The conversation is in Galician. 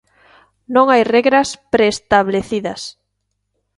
Non hai regras preestablecidas.